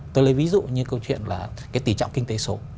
tôi lấy ví dụ như câu chuyện là tỷ trọng kinh tế số